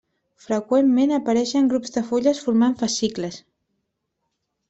Freqüentment apareixen grups de fulles formant fascicles.